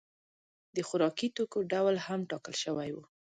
د خوراکي توکو ډول هم ټاکل شوی و.